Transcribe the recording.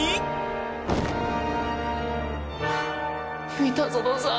三田園さん。